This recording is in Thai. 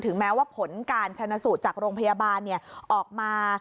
แม้ว่าผลการชนะสูตรจากโรงพยาบาลออกมา